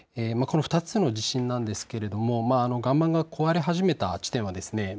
この２つの地震なんですけれども岩盤が壊れ始めた地点はですね